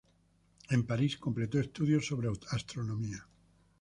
En París completó estudios sobre astronomía.